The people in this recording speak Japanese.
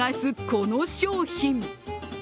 この商品。